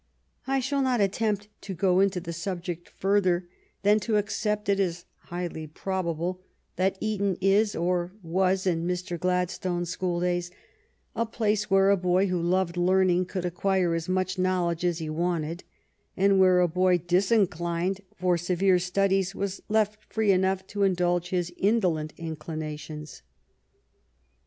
I shall not attempt to go into the subject further than to accept it as highly probable that Eton is, or was in Mr. Gladstone's school days, a place where a boy who loved learning could acquire as much knowledge as he wanted, but where a boy disinclined for severe studies was left free enough to indulge his indolent inclina tions.